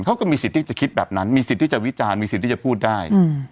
เขาก็มีสิทธิ์ที่จะคิดแบบนั้นมีสิทธิ์ที่จะวิจารณ์มีสิทธิ์ที่จะพูดได้